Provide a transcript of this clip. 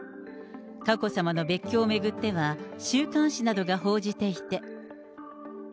佳子さまの別居を巡っては、週刊誌などが報じていて。